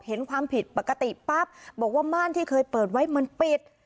เห็นความผิดปกติปั๊บบอกว่าม่านที่เคยเปิดไว้มันปิด